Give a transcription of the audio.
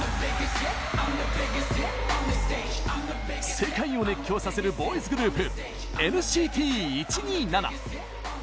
世界を熱狂させるボーイズグループＮＣＴ１２７。